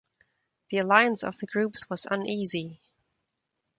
The alliance of the groups was uneasy.